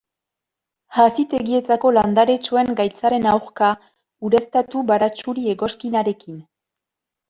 Hazitegietako landaretxoen gaitzaren aurka, ureztatu baratxuri-egoskinarekin.